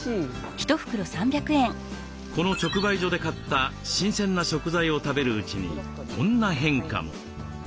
この直売所で買った新鮮な食材を食べるうちにこんな変化も。